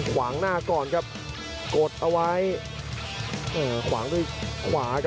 ขวางหน้าก่อนครับกดเอาไว้ขวางด้วยขวาครับ